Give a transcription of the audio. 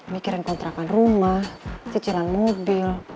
mikirin kontrakan rumah cicilan mobil